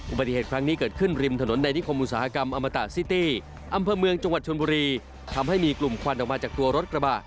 อุบัติเหตุครั้งนี้เกิดขึ้นริมถนนในนิคมอุตสาหกรรมอมตะซิตี้อำเภอเมืองจังหวัดชนบุรีทำให้มีกลุ่มควันออกมาจากตัวรถกระบะ